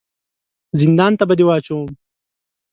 زندان ته به دي واچوم !